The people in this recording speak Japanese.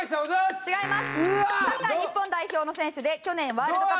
違います！